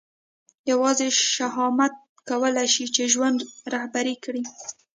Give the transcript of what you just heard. یوازې شهامت کولای شي چې ژوند رهبري کړي.